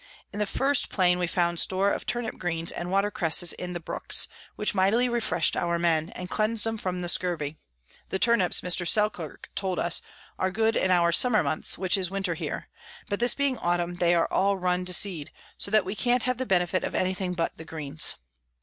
In the first Plain we found store of Turnip Greens, and Water Cresses in the Brooks, which mightily refresh'd our Men, and cleans'd 'em from the Scurvey: the Turnips, Mr. Selkirk told us, are good in our Summer Months, which is Winter here; but this being Autumn, they are all run to Seed, so that we can't have the benefit of any thing but the Greens.